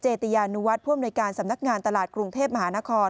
เจตยานุวัฒน์พรุ่งโดยการสำนักงานตลาดกรุงเทพฯมหานคร